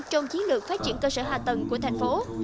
trong chiến lược phát triển cơ sở hạ tầng của thành phố